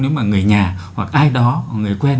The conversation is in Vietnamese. nếu mà người nhà hoặc ai đó người quân